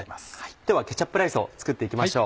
ではケチャップライスを作って行きましょう。